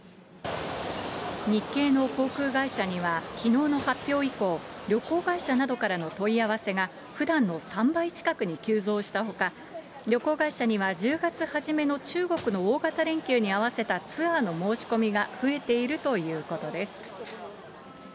日系の航空会社には、きのうの発表以降、旅行会社などからの問い合わせがふだんの３倍近くに急増したほか、旅行会社には１０月初めの中国の大型連休に合わせたツアーの申し込みが増えているということです。